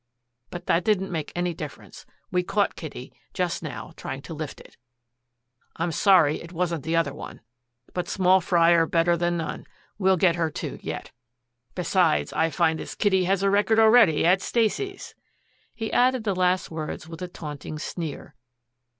But that didn't make any difference. We caught Kitty just now trying to lift it. I'm sorry it wasn't the other one. But small fry are better than none. We'll get her, too, yet. Besides, I find this Kitty has a record already at Stacy's." He added the last words with a taunting sneer.